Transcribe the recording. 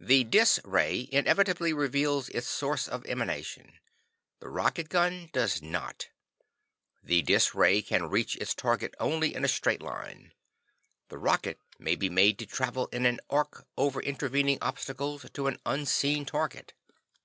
"The dis ray inevitably reveals its source of emanation. The rocket gun does not. The dis ray can reach its target only in a straight line. The rocket may be made to travel in an arc, over intervening obstacles, to an unseen target.